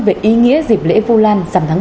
về ý nghĩa dịp lễ vu lan